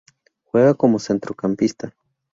Juega como Centrocampista.